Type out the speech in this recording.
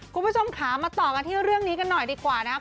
คุณผู้ชมค่ะมาต่อกันที่เรื่องนี้กันหน่อยดีกว่านะครับ